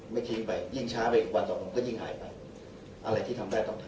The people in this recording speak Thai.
ไม่ทิ้งไปยิ่งช้าไปอีกวันสองผมก็ยิ่งหายไปอะไรที่ทำได้ต้องทำ